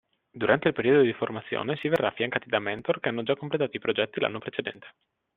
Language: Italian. Durante il periodo di formazione si verrà affiancati da Mentor che hanno già completato i progetti l'anno precedente.